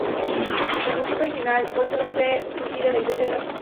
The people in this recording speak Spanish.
Del conjunto original, hoy solo subsiste la iglesia de la Porciúncula.